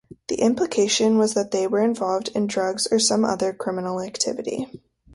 The implication was that they were involved in drugs or some other criminal activity...